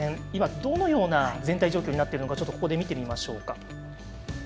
どのような状況になっているのか見てみましょう。